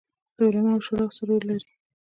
د علماوو شورا څه رول لري؟